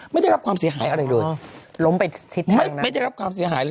ไม่ได้รับความเสียหายอะไรเลยล้มไปชิดไม่ไม่ได้รับความเสียหายเลย